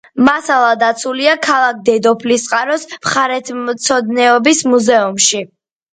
მასალა დაცულია ქალაქ დედოფლისწყაროს მხარეთმცოდნეობის მუზეუმში.